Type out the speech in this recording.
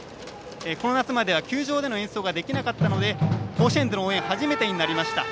この夏までは球場での演奏ができなかったので甲子園での応援は初めてとなりました。